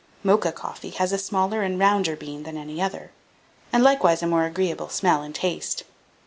Mocha coffee has a smaller and rounder bean than any other, and likewise a more agreeable smell and taste.